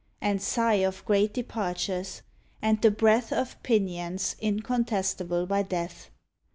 And sigh of great Departures, and the breath 20 DUJNDON Of pinions incontestable by Death.